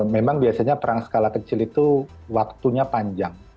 memang biasanya perang skala kecil itu waktunya panjang